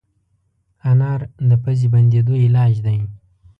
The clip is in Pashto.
انار د پوزې بندېدو علاج دی.